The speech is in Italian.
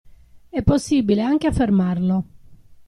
È possibile anche affermarlo.